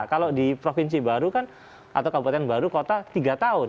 kalau di provinsi baru kan atau kabupaten baru kota tiga tahun